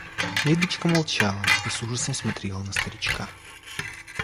Лидочка молчала и с ужасом смотрела на старичка.